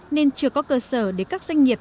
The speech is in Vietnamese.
nên chưa có cơ sở để các doanh nghiệp